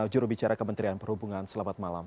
jurubicara kementerian perhubungan selamat malam